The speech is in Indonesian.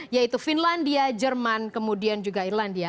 yaitu finlandia jerman kemudian juga irlandia